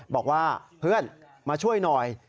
บอกว่าเพื่อนมาช่วยหน่อย